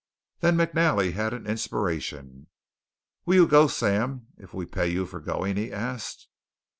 Then McNally had an inspiration. "Will you go, Sam, if we pay you for going?" he asked.